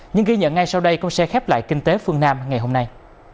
những ghi nhận ngay sau đây cũng sẽ khép lại kinh tế phương nam ngày hôm nay